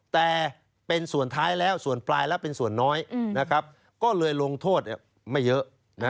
แต่เป็นส่วนท้ายแล้วส่วนปลายแล้วเป็นส่วนน้อยก็เลยลงโทษไม่เยอะ